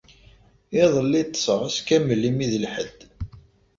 Iḍelli ṭṭṣeɣ ass kamel imi d lḥedd.